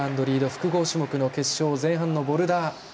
複合種目の前半のボルダー。